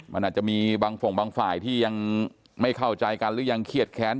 มันอาจจะมีบางฝงบางฝ่ายที่ยังไม่เข้าใจกันหรือยังเครียดแค้น